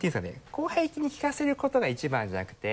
広背筋に効かせることが一番じゃなくて。